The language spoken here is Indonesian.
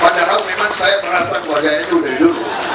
padahal memang saya merasa keluarga ending dari dulu